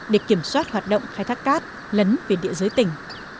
để kiểm soát hoạt động khai thác cát lấn về địa giới tỉnh